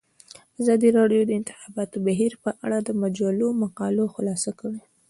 ازادي راډیو د د انتخاباتو بهیر په اړه د مجلو مقالو خلاصه کړې.